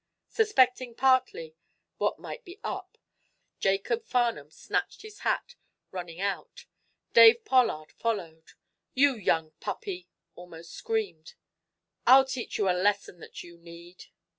Suspecting, partly, what might be up, Jacob Farnum snatched his hat, running out. David Pollard followed. "You young puppy!" almost screamed. "I'll teach you a lesson that you need."